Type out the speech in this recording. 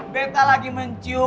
beta lagi mencium bau bau